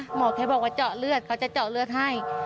หมอแค่บอกว่าเจาะเลือดเขาจะเจาะเลือดให้